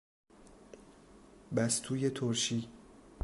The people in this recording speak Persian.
بستوی ترشی